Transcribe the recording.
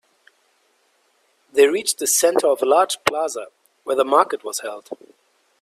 They reached the center of a large plaza where the market was held.